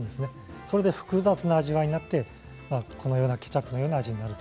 それで複雑な味わいになってこのようなケチャップのような味